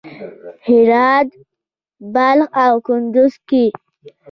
هرات، بلخ او کندز کې